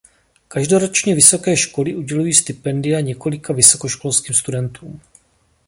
Každoročně vysoké školy udělují stipendia několika vysokoškolským studentům.